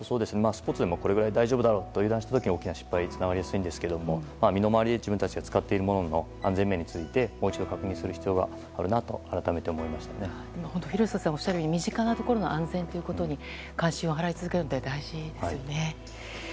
スポーツでもこれぐらい大丈夫と思った時にミスがつながりやすいんですが身の回りで自分たちで使っているものの安全面についてもう一度確認するのが廣瀬さんがおっしゃるように身近なところの安全に関心を払い続けるのは大事ですよね。